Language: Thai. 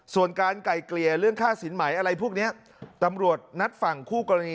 ส่วนการไก่เกลี่ยเรื่องค่าสินไหมอะไรพวกนี้ตำรวจนัดฝั่งคู่กรณี